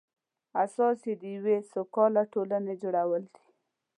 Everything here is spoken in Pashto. اساس یې د یوې سوکاله ټولنې جوړول دي.